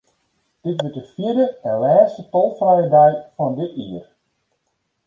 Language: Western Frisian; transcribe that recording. Dit wurdt de fjirde en lêste tolfrije dei fan dit jier.